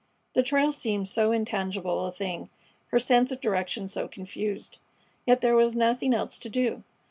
The trail seemed so intangible a thing, her sense of direction so confused. Yet there was nothing else to do.